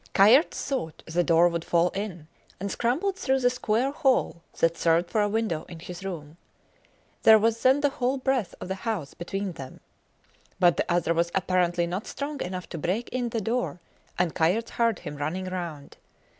Kayerts thought the door would fall in, and scrambled through the square hole that served for a window in his room. There was then the whole breadth of the house between them. But the other was apparently not strong enough to break in the door, and Kayerts heard him running round.